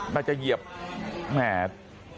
น่าจะเหยียบแหม